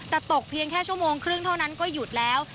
แต่ตกเพียงแค่ชั่วโมงครึ่งเท่านั้นก็หยุดแล้ว